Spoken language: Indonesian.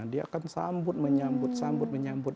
dia akan sambut menyambut